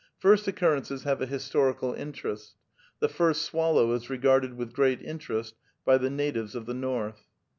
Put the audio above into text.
First occurrences have a historical interest. The first swallow is regarded with great interest by the natives of the North.